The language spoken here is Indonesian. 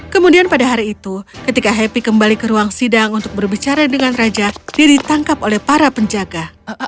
kemudian pada hari itu ketika happy kembali ke ruang sidang untuk berbicara dengan raja dia ditangkap oleh para penjaga